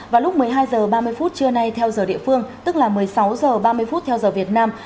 vào lúc một mươi hai h ba mươi phút trưa nay theo giờ địa phương tức là một mươi sáu h ba mươi theo giờ việt nam